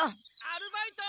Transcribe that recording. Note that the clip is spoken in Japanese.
・アルバイト！